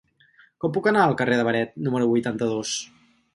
Com puc anar al carrer de Beret número vuitanta-dos?